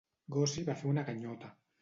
Gussie va fer una ganyota.